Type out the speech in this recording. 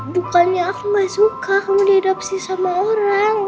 bukannya aku gak suka kamu diadopsi sama orang